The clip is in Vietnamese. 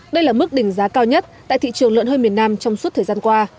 đây là mức đỉnh giá cao nhất tại thị trường lợn hơi miền nam trong suốt thời gian qua